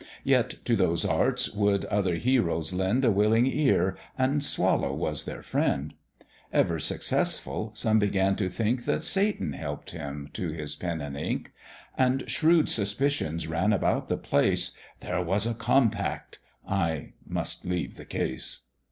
Yet to those arts would other heroes lend A willing ear, and Swallow was their friend; Ever successful, some began to think That Satan help'd him to his pen and ink; And shrewd suspicions ran about the place, "There was a compact" I must leave the case.